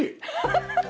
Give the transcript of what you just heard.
ハハハハ！